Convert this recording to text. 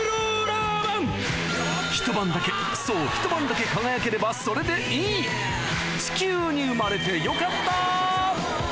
一晩だけそう一晩だけ輝ければそれでいい地球に生まれてよかったー！